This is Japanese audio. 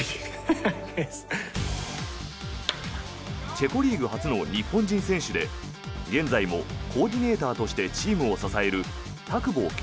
チェコリーグ初の日本人選手で現在もコーディネーターとしてチームを支える田久保賢